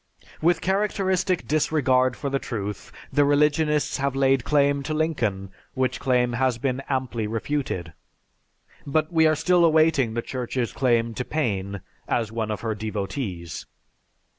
With characteristic disregard for the truth, the religionists have laid claim to Lincoln, which claim has been amply refuted; but we are still awaiting the Church's claim to Paine as one of her devotees.